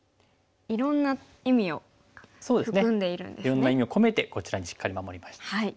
いろんな意味を込めてこちらにしっかり守りました。